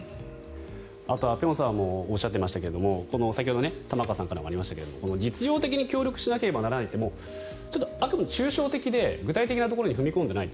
あとは辺さんもおっしゃっていましたが先ほど玉川さんもおっしゃっていましたが実用的に協力しなければならないって抽象的で具体的なところに踏み込んでいないと。